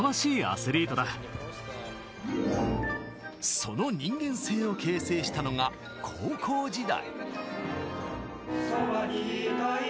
その人間性を形成したのが、高校時代。